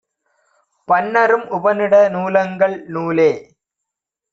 பன்னரும் உபநிடநூ லெங்கள் நூலே